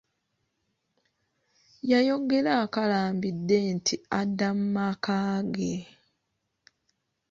Yayogera akalambidde nti adda mu maka ge.